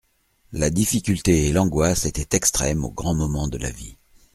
La difficulté et l'angoisse étaient extrêmes aux grands moments de la vie.